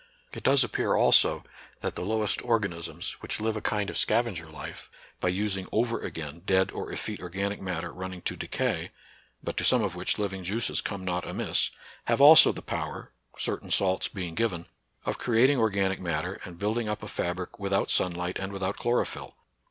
It does appear also that the lowest organ isms, which live a kind of scavenger life, by using over again dead or effete organic matter running tp decay — but to some of which living NATURAL SCIENCE AND RELIGION. 21 juices come not amiss — have also the power, certain salts being given, of creating organic matter, and building up a fabric without sun light and without chlorophyll.